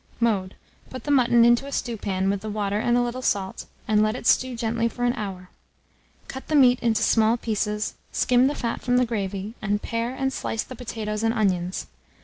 Mode. Put the mutton into a stewpan with the water and a little salt, and let it stew gently for an hour; cut the meat into small pieces, skim the fat from the gravy, and pare and slice the potatoes and onions.